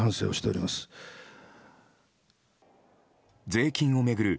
税金を巡る